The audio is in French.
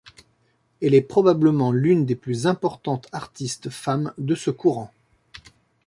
Elle est probablement l'une des plus importantes artistes femmes de ce courant.